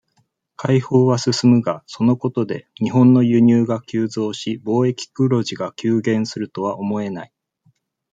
開放は進むが、そのことで、日本の輸入が急増し、貿易黒字が急減するとは思えない。